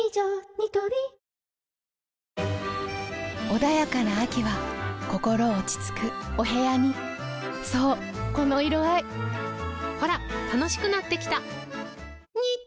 ニトリ穏やかな秋は心落ち着くお部屋にそうこの色合いほら楽しくなってきた！